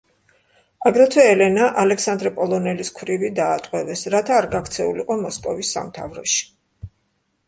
აგრეთვე ელენა, ალექსანდრე პოლონელის ქვრივი, დაატყვევეს, რათა არ გაქცეულიყო მოსკოვის სამთავროში.